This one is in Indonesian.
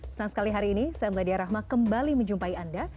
senang sekali hari ini saya meladia rahma kembali menjumpai anda